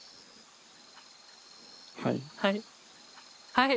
はい。